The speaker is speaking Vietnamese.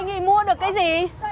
một mươi nghìn mua được cái gì